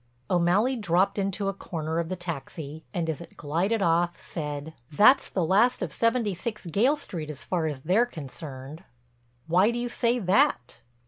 O'Malley dropped into a corner of the taxi and as it glided off, said: "That's the last of 76 Gayle Street as far as they're concerned." "Why do you say that?"